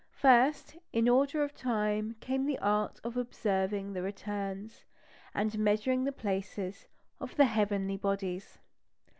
First in order of time came the art of observing the returns, and measuring the places, of the heavenly bodies.